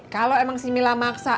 kalau emang si mila maksa